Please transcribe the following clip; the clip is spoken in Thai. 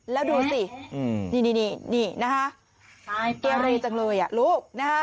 แล้วดูสิที่รถเรจาเลยอ่ะ